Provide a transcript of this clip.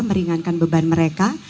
meringankan beban mereka